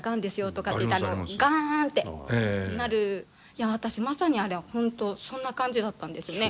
いや私まさにあれ本当そんな感じだったんですよね。